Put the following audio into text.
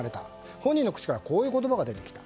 本人の口からこういう言葉が出てきた。